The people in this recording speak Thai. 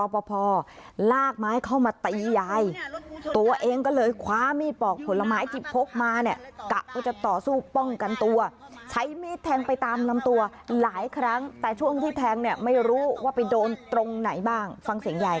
ป้ายังไม่รู้ว่าตรงไหนไม่รู้มีเลือดแดงมั้ยเนี่ย